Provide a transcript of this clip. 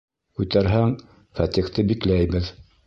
Күтәрһәң, Фәтихте бикләйбеҙ!